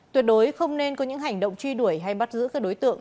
tuyệt đối không nên có những hành động truy đuổi hay bắt giữ các đối tượng